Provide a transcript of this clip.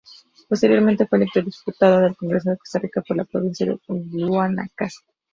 Posteriormente, fue electo diputado del Congreso de Costa Rica por la provincia de Guanacaste.